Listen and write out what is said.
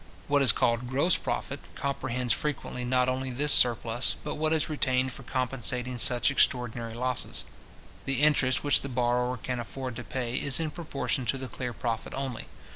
What is called gross profit, comprehends frequently not only this surplus, but what is retained for compensating such extraordinary losses. The interest which the borrower can afford to pay is in proportion to the clear profit only.